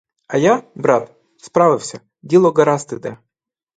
А я, брат, справився: діло гаразд іде.